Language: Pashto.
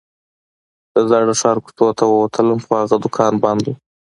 د زاړه ښار کوڅو ته ووتلم خو هغه دوکان بند و.